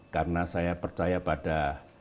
karena saya percaya pada